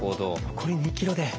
残り２ｋｍで。